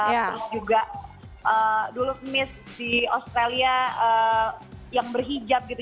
terus juga dulu miss di australia yang berhijab gitu